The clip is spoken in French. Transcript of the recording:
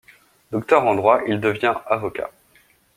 Docteur en droit, il devient avocat.